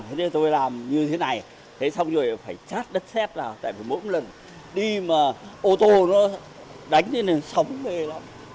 thế nên tôi làm như thế này thế xong rồi phải chát đất xét là tại vì mỗi một lần đi mà ô tô nó đánh thế này sống vậy lắm